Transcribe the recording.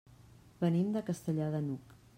Venim de Castellar de n'Hug.